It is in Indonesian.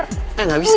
eh gak bisa